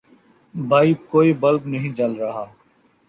بھائی کوئی بلب نہیں جل رہا